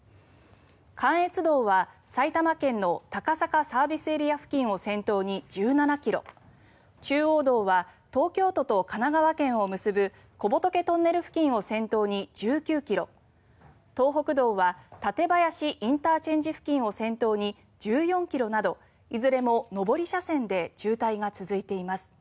関越道は埼玉県の高坂ＳＡ付近を先頭に１７ｋｍ中央道は東京都と神奈川県を結ぶ小仏トンネル付近を先頭に１９ｋｍ東北道は館林ＩＣ付近を先頭に１４ｋｍなどいずれも上り車線で渋滞が続いています。